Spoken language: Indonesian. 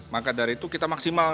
maka dari itu kita maksimal